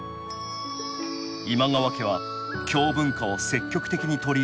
今川家は京文化を積極的に取り入れ